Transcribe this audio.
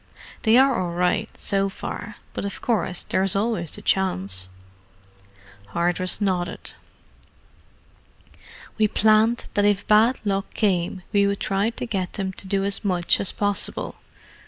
They are all right, so far, but of course there is always the chance." Hardress nodded. "We planned that if bad luck came we would try to get them to do as much as possible.